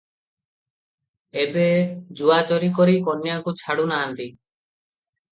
ଏବେ ଜୁଆଚୋରୀ କରି କନ୍ୟାକୁ ଛାଡ଼ୁ ନାହାନ୍ତି ।